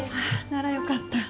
なら、よかった。